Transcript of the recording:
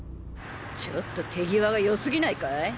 ちょっと手際が良すぎないかい？